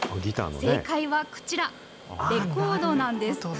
正解はこちら、レコードなんです。